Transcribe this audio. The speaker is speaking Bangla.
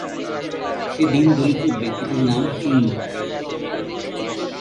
সে দীন দরিদ্র ব্যক্তিটির নাম চুন্দ।